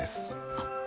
あっ。